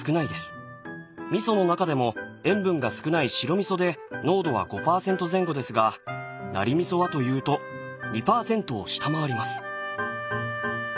味噌の中でも塩分が少ない白味噌で濃度は５％前後ですがナリ味噌はというと２％を下回ります。